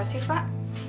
kenapa sih pak